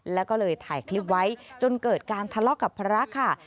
แล้วก็เลยถ่ายคลิปไว้จนเกิดการทะเลาะกับพระค่ะ